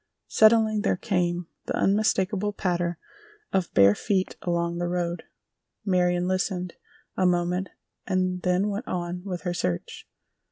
Suddenly there came the unmistakable patter of bare feet along the road; Marion listened a moment and then went on with her search.